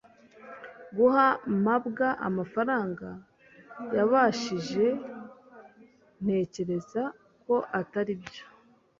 "Guha mabwa amafaranga yabafashije?" "Ntekereza ko atari byo."